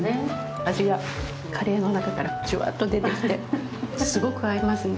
味がカレーの中からジュワっと出てきてすごく合いますね。